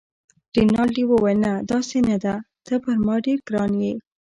رینالډي وویل: نه، داسې نه ده، ته پر ما ډېر ګران يې.